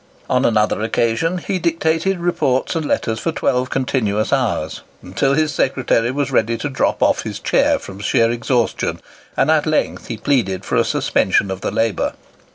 On another occasion, he dictated reports and letters for twelve continuous hours, until his secretary was ready to drop off his chair from sheer exhaustion, and at length he pleaded for a suspension of the labour.